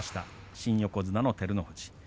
新横綱の照ノ富士です。